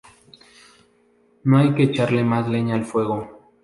No hay que echarle más leña al fuego